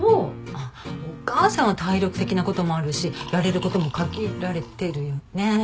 お義母さんは体力的な事もあるしやれる事も限られてるよね。